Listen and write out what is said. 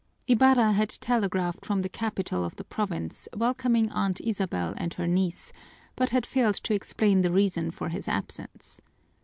Ibarra had telegraphed from the capital of the province welcoming Aunt Isabel and her niece, but had failed to explain the reason for his absence.